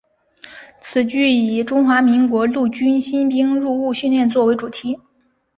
此剧以中华民国陆军新兵入伍训练作为主题。